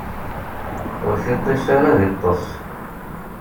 Ur tiṭ-is ara ad iṭṭes.